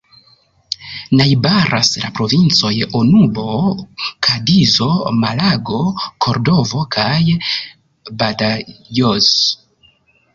Najbaras la provincoj Onubo, Kadizo, Malago, Kordovo kaj Badajoz.